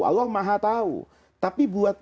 allah maha tahu tapi buat